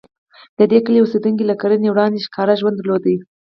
د دې کلي اوسېدونکي له کرنې وړاندې ښکاري ژوند درلود.